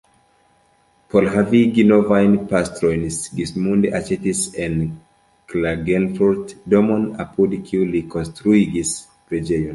Por havigi novajn pastrojn Sigismund aĉetis en Klagenfurt domon apud kiu li konstruigis preĝejon.